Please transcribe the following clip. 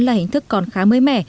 là hình thức còn khá mới mẻ